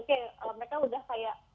oke mereka udah kayak